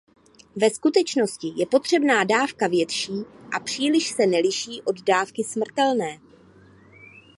Ve skutečnosti je potřebná dávka větší a příliš se neliší od dávky smrtelné.